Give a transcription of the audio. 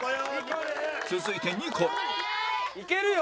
続いてニコルいけるよ。